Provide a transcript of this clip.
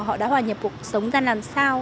họ đã hòa nhập cuộc sống ra làm sao